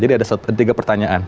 jadi ada tiga pertanyaan